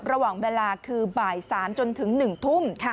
ระหว่างเวลาคือบ่าย๓จนถึง๑ทุ่ม